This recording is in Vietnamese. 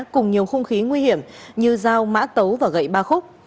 cùng nhiều khung khí nguy hiểm như dao mã tấu và gậy ba khúc